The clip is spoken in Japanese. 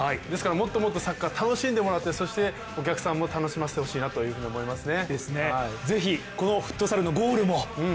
もっともっとサッカー楽しんでもらって、そしてお客さんも楽しませてほしいなと思いますね。